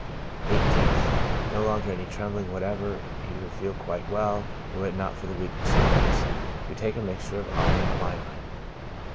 1 8th. — No longer any trembling whatever; he would feel quite well, were it not for the weakness of the hips. To take a mixture of iron and quinine.